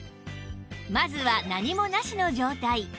まずは何もなしの状態